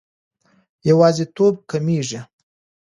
یوازیتوب کمېږي.